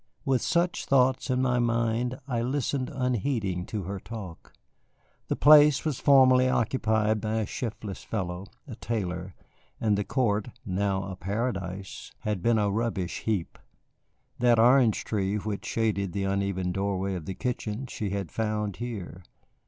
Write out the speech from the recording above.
With such thoughts in my mind, I listened unheeding to her talk. The place was formerly occupied by a shiftless fellow, a tailor; and the court, now a paradise, had been a rubbish heap. That orange tree which shaded the uneven doorway of the kitchen she had found here.